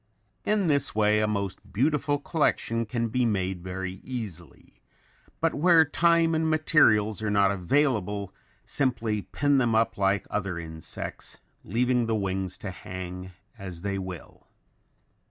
In this way a most beautiful collection can be made very easily, but where time and materials are not available, simply pin them up like other insects, leaving the wings to hang as they will.